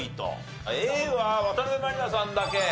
Ａは渡辺満里奈さんだけ。